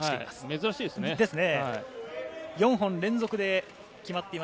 珍しいですね。